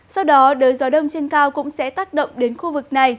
sau đó đới gió đông trên cao cũng sẽ tác động đến khu vực này